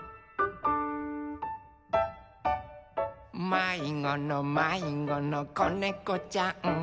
「まいごのまいごのこねこちゃん」